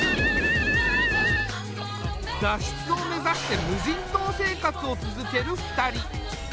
脱出を目指して無人島生活を続ける２人。